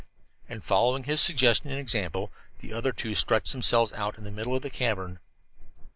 And following his suggestion and example, the other two stretched themselves out in the middle of the cavern.